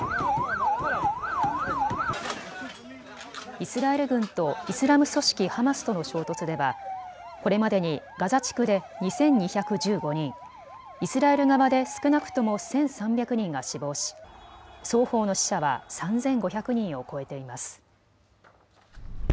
イスラエル軍とイスラム組織ハマスとの衝突ではこれまでにガザ地区で２２１５人、イスラエル側で少なくとも１３００人が死亡し双方の死者は３５００人を超えています。